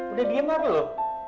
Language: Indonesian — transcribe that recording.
udah di diam apa lo